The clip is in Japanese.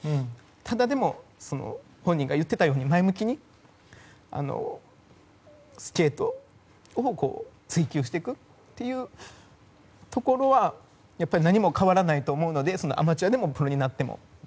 ただ、でも本人が言っていたように前向きにスケートを追求していくというところはやっぱり何も変わらないと思うのでアマチュアでもプロになっても。